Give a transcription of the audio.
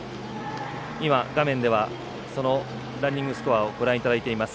画面ではランニングスコアをご覧いただいています。